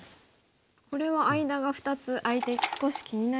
これは間が２つ空いて少し気になりますが。